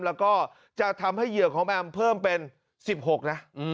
แล้วก็จะทำให้เหยื่อของแอมเพิ่มเป็น๑๖นะ